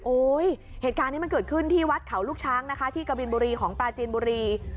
เหตุการณ์นี้มันเกิดขึ้นที่วัดเขาลูกช้างนะคะที่กบินบุรีของปราจีนบุรี